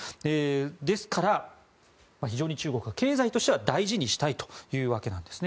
ですから、非常に中国は経済としては大事にしたいというわけなんですね。